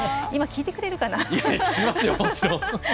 今、聞いてくれるかな。